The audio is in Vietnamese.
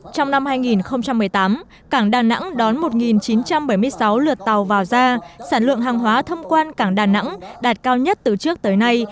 trong năm hai nghìn một mươi tám cảng đà nẵng đón một chín trăm bảy mươi sáu lượt tàu vào ra sản lượng hàng hóa thâm quan cảng đà nẵng đạt cao nhất từ trước tới nay